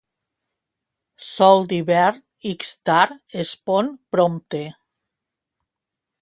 Sol d'hivern, ix tard i es pon prompte.